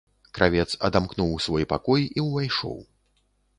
Кравец адамкнуў свой пакой і ўвайшоў.